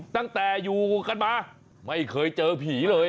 ตั้งแต่อยู่กันมาไม่เคยเจอผีเลย